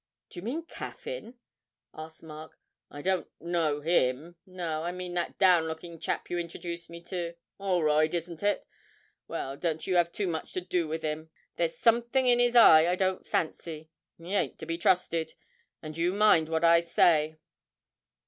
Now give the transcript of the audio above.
'Do you mean Caffyn?' asked Mark. 'I don't know him; no, I mean that down lookin' chap you introduced to me 'Olroyd, isn't it? Well, don't you have too much to do with him there's something in his eye I don't fancy; he ain't to be trusted, and you mind what I say.'